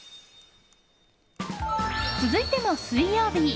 続いても、水曜日。